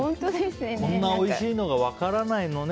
こんなおいしいのが分からないのね